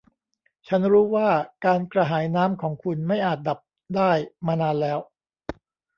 ฉันรู้ว่าการกระหายน้ำของคุณไม่อาจดับได้มานานแล้ว